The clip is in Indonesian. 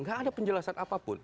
nggak ada penjelasan apapun